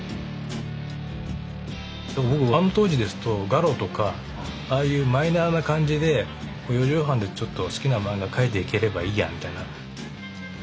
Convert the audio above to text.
だから僕あの当時ですと「ガロ」とかああいうマイナーな感じで４畳半でちょっと好きな漫画描いていければいいやみたいな。